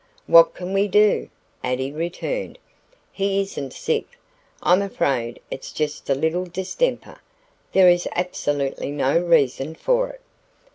"What can we do?" Addie returned. "He isn't sick. I'm afraid it's just a little distemper. There is absolutely no reason for it."